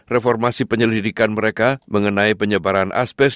reformasi penyelidikan mereka mengenai penyebaran aspas